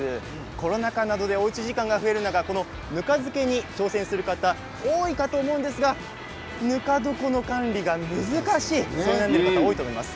コロナ禍でおうち時間が増える中、ぬか漬けに挑戦する方多いかと思うんですがぬか床の管理が難しいと悩んでる方多いと思います。